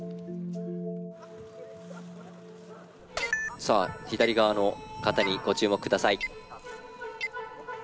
さあ左側の方にご注目下さい。